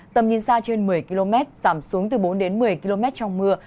tầm nhìn xa trên một mươi km giảm xuống từ bốn đến một mươi km trong mưa